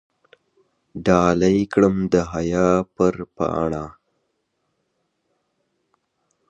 ډالۍ كړم د حيا پـر پــاڼــه